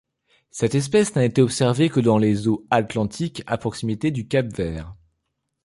Cette espèce n'a été observée que dans les eaux Atlantique à proximité du Cap-Vert.